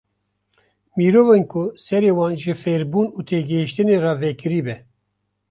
Mirovên ku serê wan ji fêrbûn û têgehîştinê re vekirî be.